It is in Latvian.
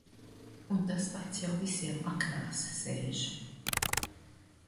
Un tas pats jau visiem aknās sēž.